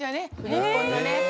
日本のね。